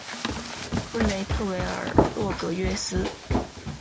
布雷特维尔洛格约斯。